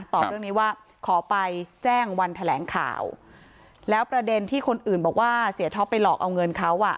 เรื่องนี้ว่าขอไปแจ้งวันแถลงข่าวแล้วประเด็นที่คนอื่นบอกว่าเสียท็อปไปหลอกเอาเงินเขาอ่ะ